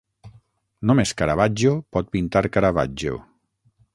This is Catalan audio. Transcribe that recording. Només Caravaggio pot pintar Caravaggio.